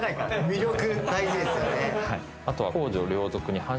魅力大事ですよね。